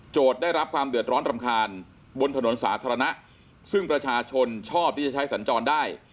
ได้รับความเดือดร้อนรำคาญบนถนนสาธารณะซึ่งประชาชนชอบที่จะใช้สัญจรได้